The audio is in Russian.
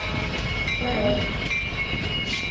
Пароль